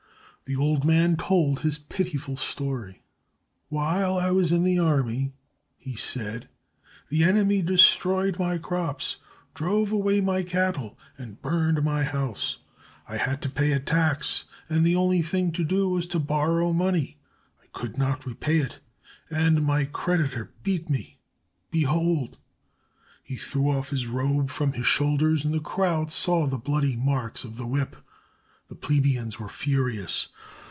The old man told his pitiful story. "While I was in the army," he said, "the enemy destroyed my crops, drove away my cattle, and burned my house. I had to pay a tax, and the only thing to do was to borrow money. I could not repay it, and my creditor beat me. Behold!" He threw off his robe from his shoulders, and the crowd saw the bloody marks of the whip. The plebeians were furious.